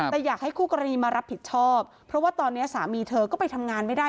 แต่อยากให้คู่กรณีมารับผิดชอบเพราะว่าตอนนี้สามีเธอก็ไปทำงานไม่ได้